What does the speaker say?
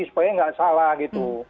supaya nggak salah gitu